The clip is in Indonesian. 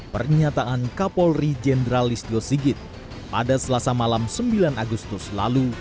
pernyataan kapolri jenderal listio sigit pada selasa malam sembilan agustus lalu